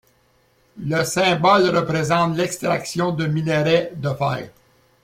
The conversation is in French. Le symbole représente l'extraction de minerai de fer.